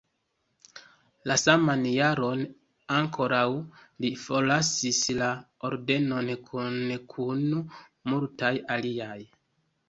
La saman jaron ankoraŭ li forlasis la ordenon kune kun multaj aliaj.